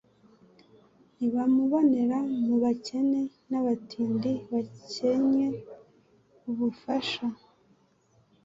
ntibamubonera mu bakene n’abatindi bakencye ubufasha